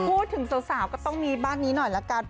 พูดถึงสาวก็ต้องมีบ้านนี้หน่อยละกัน